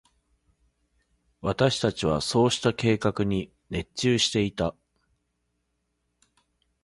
私達はそうした計画に熱中していた。